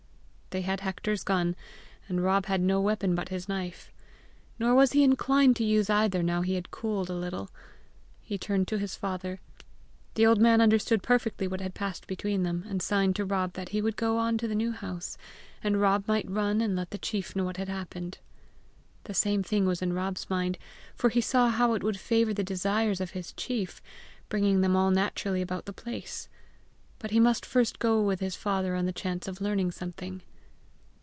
They had Hector's gun, and Rob had no weapon but his knife. Nor was he inclined to use either now he had cooled a little. He turned to his father. The old man understood perfectly what had passed between them, and signed to Rob that he would go on to the New House, and Rob might run and let the chief know what had happened. The same thing was in Rob's mind, for he saw how it would favour the desires of his chief, bringing them all naturally about the place. But he must first go with his father on the chance of learning something.